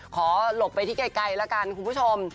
หลบไปที่ไกลแล้วกันคุณผู้ชม